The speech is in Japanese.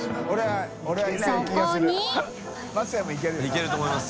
いけると思います